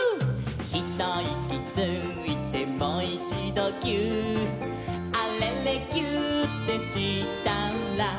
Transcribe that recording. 「ひといきついてもいちどぎゅーっ」「あれれぎゅーってしたら」